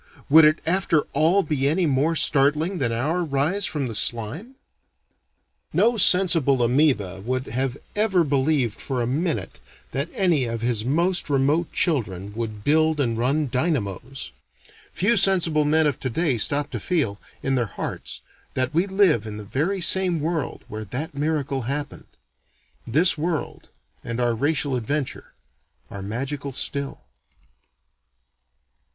Would it after all be any more startling than our rise from the slime? No sensible amoeba would have ever believed for a minute that any of his most remote children would build and run dynamos. Few sensible men of today stop to feel, in their hearts, that we live in the very same world where that miracle happened. This world, and our racial adventure, are magical still.